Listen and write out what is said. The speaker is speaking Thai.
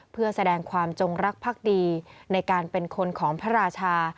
เพื่อแสดงความจงรักภักดีในการเป็นคนของพระราชา